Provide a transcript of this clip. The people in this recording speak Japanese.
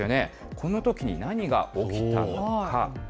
このときに何が起きたのか。